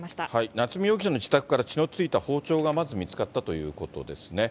夏見容疑者の自宅から血の付いた包丁がまず見つかったということですね。